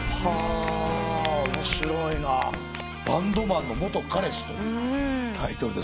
『バンドマンの元彼氏』というタイトルです。